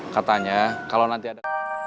katanya kalau nanti ada